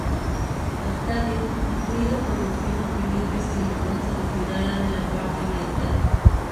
Arcadio, influido por Rufino, pidió que Estilicón se retirara de la parte Oriental.